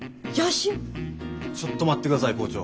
ちょっと待ってください校長。